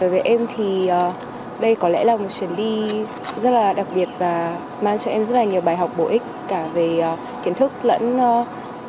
về em thì đây có lẽ là một chuyến đi rất là đặc biệt và mang cho em rất là nhiều bài học bổ ích cả về kiến thức lẫn